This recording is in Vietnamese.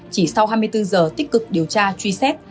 chỉ sau hai mươi bốn giờ tích cực điều tra truy xét